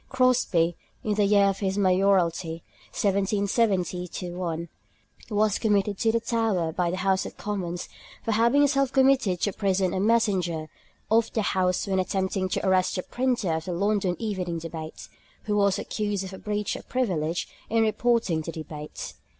Crosby, in the year of his mayoralty (1770 1), was committed to the Tower by the House of Commons, for having himself committed to prison a messenger of the House when attempting to arrest the printer of the London Evening Debates, who was accused of a breach of privilege in reporting the Debates (_Parl.